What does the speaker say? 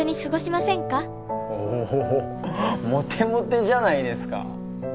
モテモテじゃないですか。